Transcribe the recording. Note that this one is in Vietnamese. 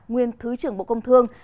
nguyên thứ trưởng bộ công thương